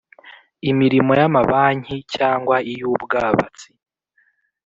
Imirimo y’amabanki cyangwa iyubwabatsi